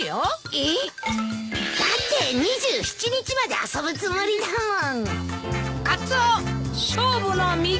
えっ？だって２７日まで遊ぶつもりだもん。